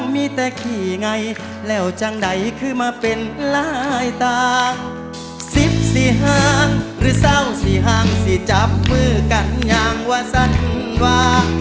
สิบสิห่างหรือเศร้าสิห่างสิจับมือกันอย่างว่าสันวา